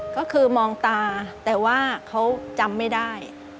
ก็คือมองตาแต่ว่าเขาจำไม่ได้